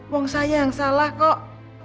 wong saya yang salah kok